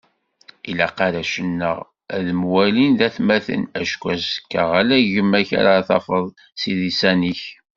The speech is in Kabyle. Ilaq arrac-nneɣ ad mwalin d atmaten, acku azekka ala gma-k ara tafeḍ s idisan-ik